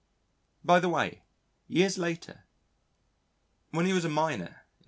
By the way, years later, when he was a miner in S.